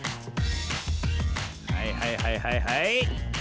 はいはいはいはいはい。